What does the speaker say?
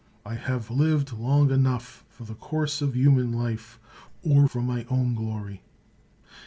I have lived long enough for the course of human life, or for my own glory.